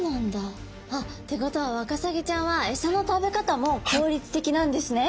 あ！ってことはワカサギちゃんはエサの食べ方も効率的なんですね。